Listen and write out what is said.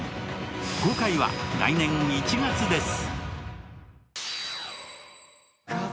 公開は来年１月です。